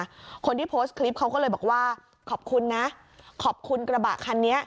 คนที่โพสต์คลิปเขาก็เลยบอกว่าขอบคุณนะขอบคุณกระบะคันนี้